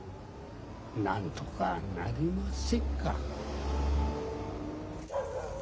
なんとかなりませんか？